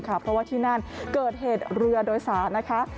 เพราะว่าที่นั่นเกิดเหตุเรือโดยสารนะคะ